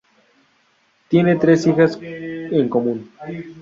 Tienen tres hijas en común.